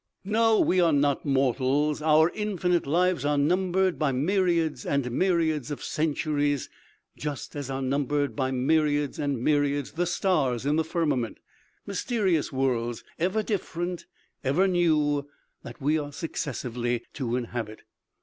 "No, we are not mortals! Our infinite lives are numbered by myriads and myriads of centuries, just as are numbered by myriads of myriads the stars in the firmament mysterious worlds, ever different, ever new, that we are successively to inhabit."